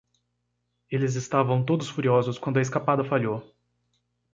Eles estavam todos furiosos quando a escapada falhou.